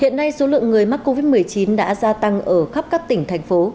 hiện nay số lượng người mắc covid một mươi chín đã gia tăng ở khắp các tỉnh thành phố